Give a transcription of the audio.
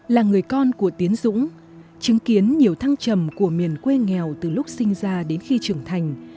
là người con của tiến dũng chứng kiến nhiều thăng trầm của miền quê nghèo từ lúc sinh ra đến khi trưởng thành